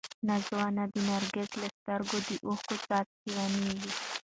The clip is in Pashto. نازو انا د نرګس له سترګو د اوښکو څاڅکي ویني.